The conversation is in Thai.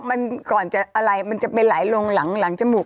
มันก่อนจะอะไรมันจะไปไหลลงหลังจมูก